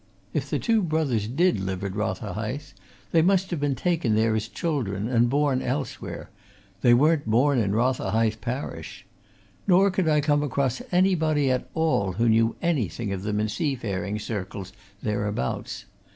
If the two brothers did live at Rotherhithe, they must have been taken there as children and born elsewhere they weren't born in Rotherhithe parish. Nor could I come across anybody at all who knew anything of them in seafaring circles thereabouts.